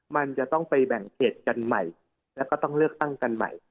มันจะต้องไปแบ่งเขตกันใหม่แล้วก็ต้องเลือกตั้งกันใหม่